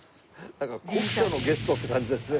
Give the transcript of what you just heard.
なんか酷暑のゲストって感じですね。